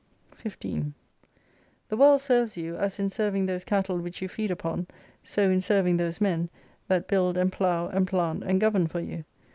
88 15 The world serves you, as in serving those cattle which you feed upon, so in serving those men, that build and plough, and plant, and govern for you.